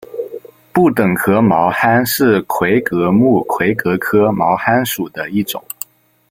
不等壳毛蚶是魁蛤目魁蛤科毛蚶属的一种。